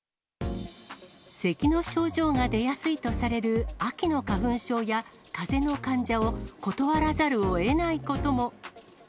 せきの症状が出やすいとされる秋の花粉症やかぜの患者を断らざるをえないことも。